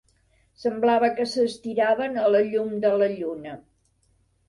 Semblava que s'estiraven a la llum de la lluna.